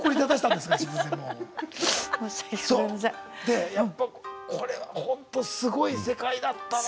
でやっぱこれはほんとすごい世界だったな。